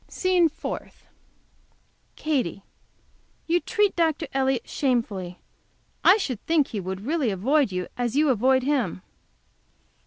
SCENE FOURTH. Katy. You treat Dr. Elliott shamefully. I should think he would really avoid you as you avoid him.